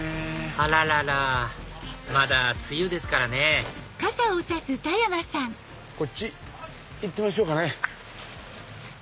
あらららまだ梅雨ですからねこっち行ってみましょうかね。